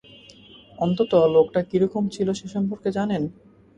অন্তত লোকটা কীরকম ছিল সেসম্পর্কে জানেন?